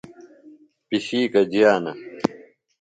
پِشیکہ جیانہ۔